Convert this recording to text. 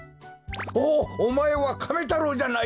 おおまえはカメ太郎じゃないか！